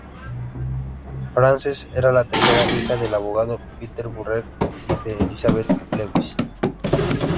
Frances era la tercera hija del abogado Peter Burrell y de Elizabeth Lewis.